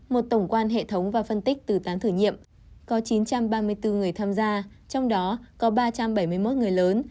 một tổng quan hệ thống và phân tích từ tán thử nghiệm có chín trăm ba mươi bốn người tham gia trong đó có ba trăm bảy mươi một người lớn